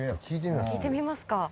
聞いてみますか。